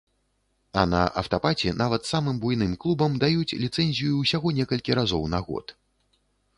А на афтапаці нават самым буйным клубам даюць ліцэнзію ўсяго некалькі разоў на год.